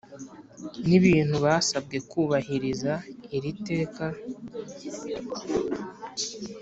n Ibintu basabwe kubahiriza iri teka